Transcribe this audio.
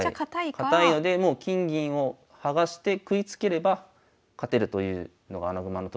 堅いので金銀を剥がして食いつければ勝てるというのが穴熊の特徴なので。